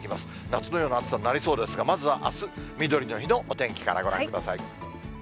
夏のような暑さになりそうですが、まずはあす、みどりの日のお天気からご覧ください。